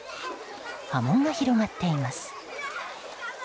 波紋が広がっています。